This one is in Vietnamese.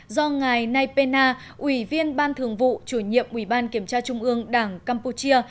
do ngài nay pena ủy viên ban thường vụ chủ nhiệm ủy ban kiểm tra trung ương đảng campuchia